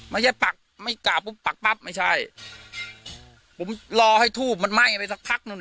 ไม่ใช่ปักไม่กลับปุ๊บปักปั๊บไม่ใช่ผมรอให้ภูพมันไหม้ไปสักพัก